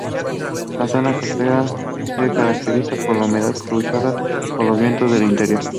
La zona costera se caracteriza por la humedad causada por los vientos del interior.